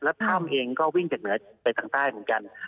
แล้วถ้ำเองก็วิ่งจากเหนือไปทางใต้เหมือนกัน